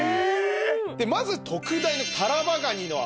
まず特大のタラバガニの脚一肩。